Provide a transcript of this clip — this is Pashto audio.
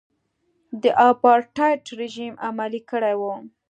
د اپارټایډ رژیم عملي کړی و.